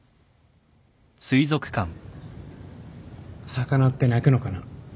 魚って泣くのかな？